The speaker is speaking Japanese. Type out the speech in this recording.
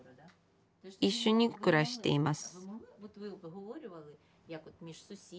一緒に暮らしています